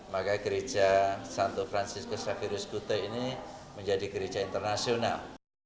maka gereja santo franciscus revirus kute ini menjadi gereja internasional